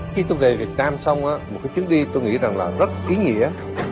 khi tôi về việt nam xong một cái chuyến đi tôi nghĩ rằng là rất ý nghĩa